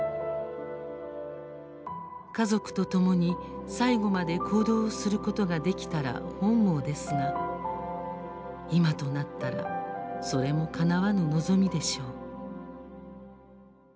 家族とともに最後まで行動をすることができたら本望ですが今となったらそれもかなわぬ望みでしょう」